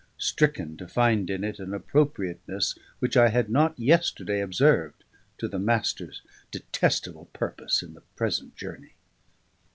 stricken to find in it an appropriateness, which I had not yesterday observed, to the Master's detestable purpose in the present journey.